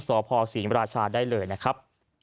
สพศรีมราชาได้เลยนะครับ